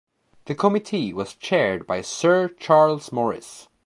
The Committee was chaired by Sir Charles Morris.